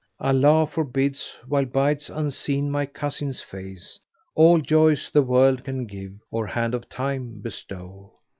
Allah forbids, while bides unseen my cousin's face, * All joys the World can give or hand of Time bestow.